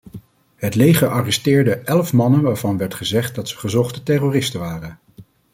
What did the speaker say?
Het leger arresteerde elf mannen waarvan werd gezegd dat ze gezochte terroristen waren.